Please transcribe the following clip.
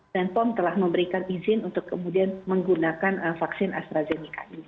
dan pom telah memberikan izin untuk kemudian menggunakan vaksin astrazeneca ini